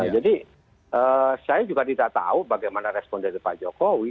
jadi saya juga tidak tahu bagaimana respon dari pak jokowi